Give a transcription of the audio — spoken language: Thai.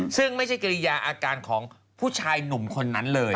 ซึ่งไม่ใช่กิริยาอาการของผู้ชายหนุ่มคนนั้นเลย